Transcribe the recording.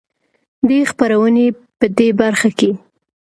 دې خپرونې په د برخه کې